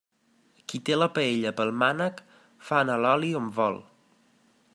Qui té la paella pel mànec, fa anar l'oli on vol.